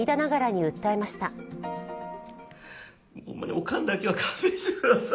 オカンだけは勘弁してください。